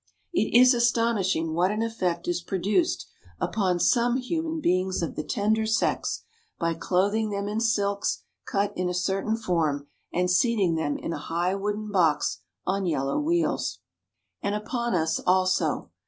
It is astonishing what an effect is produced upon some human beings of the tender sex by clothing them in silks cut in a certain form, and seating them in a high wooden box on yellow wheels. And upon us, also.